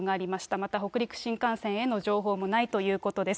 また北陸新幹線への影響もないということです。